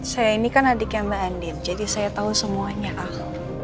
saya ini kan adiknya mbak andi jadi saya tahu semuanya ah